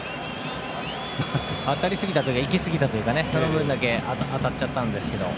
当たりすぎたというか行きすぎたというかその分だけ当たっちゃったんですけど。